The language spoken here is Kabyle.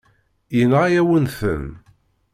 Yenɣa-yawen-ten.